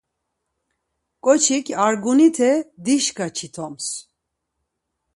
Ǩoçik argunite dişka çitums.